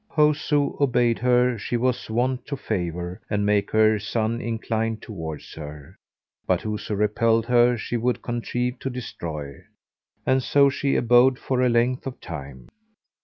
Whoso obeyed her she was wont to favour and make her son incline towards her; but whoso repelled her she would contrive to destroy; and so she abode for a length of time.